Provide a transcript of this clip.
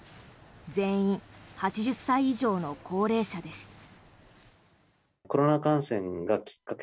全員８０歳以上の高齢者です。